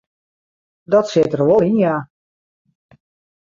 Dat sit der wol yn ja.